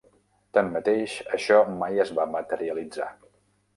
Tanmateix, això mai es va materialitzar.